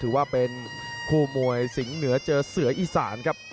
เราหัวเป็นคู่มวย๖๐๐๑เสืออีซานครับ